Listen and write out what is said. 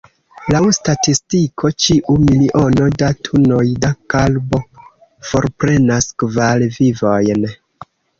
Laŭ statistiko, ĉiu miliono da tunoj da karbo forprenas kvar vivojn.